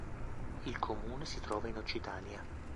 Il comune si trova in Occitania.